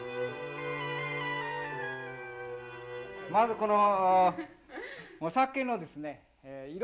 まずこのお酒のですね色！